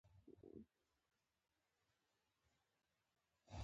بامیان د افغانستان د اقتصادي ودې لپاره خورا ډیر ارزښت لري.